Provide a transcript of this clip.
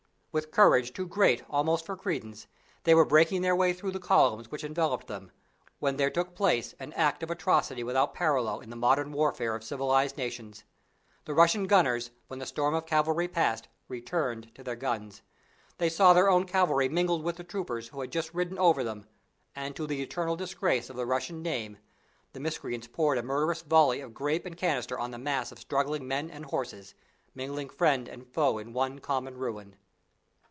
With courage too great almost for credence, they were breaking their way through the columns which enveloped them, when there took place an act of atrocity without parallel in the modern warfare of civilized nations. The Russian gunners, when the storm of cavalry passed, returned to their guns. They saw their own cavalry mingled with the troopers who had just ridden over them, and, to the eternal disgrace of the Russian name, the miscreants poured a murderous volley of grape and canister on the mass of struggling men and horses, mingling friend and foe in one common ruin!